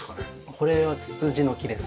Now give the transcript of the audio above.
これはツツジの木です。